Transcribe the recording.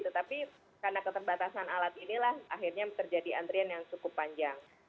tetapi karena keterbatasan alat inilah akhirnya terjadi antrian yang cukup panjang